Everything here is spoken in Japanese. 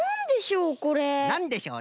なんでしょう？